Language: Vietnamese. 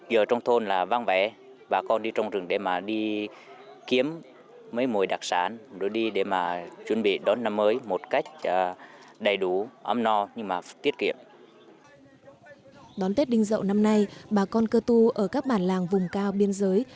đón tết đinh dậu năm nay bà con cơ tu ở các bản làng vùng cao biên giới